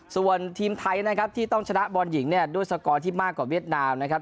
ส่วนทีมไทยนะครับที่ต้องชนะบอลหญิงเนี่ยด้วยสกอร์ที่มากกว่าเวียดนามนะครับ